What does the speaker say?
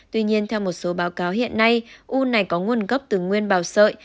tuy nhiên theo một số báo cáo hiện nay u này có nguồn gốc từ nguyên bào sợi